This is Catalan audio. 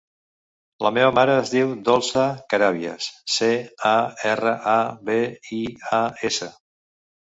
La meva mare es diu Dolça Carabias: ce, a, erra, a, be, i, a, essa.